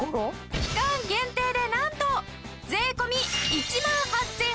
期間限定でなんと税込１万８８００円！